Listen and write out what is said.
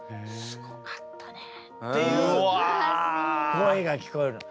声が聞こえるの。